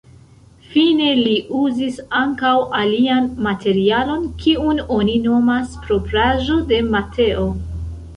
Fine li uzis ankaŭ alian materialon, kiun oni nomas propraĵo de Mateo.